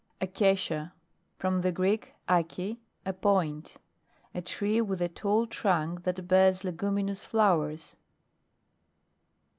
ACACIA. From the Greek, alee, a point. A tree with a tall trunk that bears leguminous flowers.